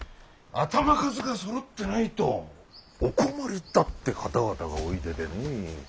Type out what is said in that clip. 頭数がそろってないとお困りだって方々がおいででね。